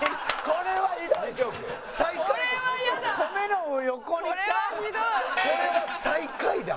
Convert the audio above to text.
これは最下位だ。